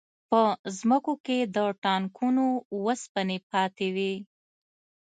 په ځمکو کې د ټانکونو وسپنې پاتې وې